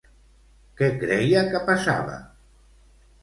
Què creia que passava?